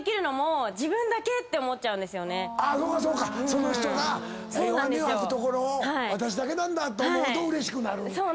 その人が弱音を吐くところ私だけなんだと思うとうれしくなる。